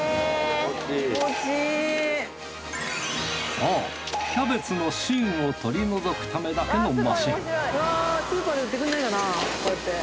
そうキャベツの芯を取り除くためだけのマシンスーパーで売ってくれないかなこうやって。